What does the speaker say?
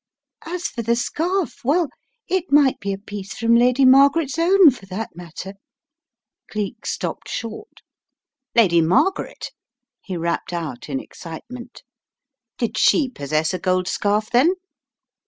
As for the scarf, well, it might be a piece from Lady Margaret's own for that mat ter " Cleek stopped short. "Lady Margaret!" he rapped out in excitement. " Did she possess a gold scarf, then?